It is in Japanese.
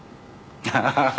ハハハハ。